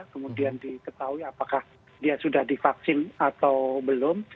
kemudian diketahui apakah dia sudah divaksin atau belum